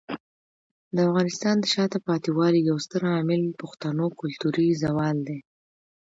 د افغانستان د شاته پاتې والي یو ستر عامل پښتنو کلتوري زوال دی.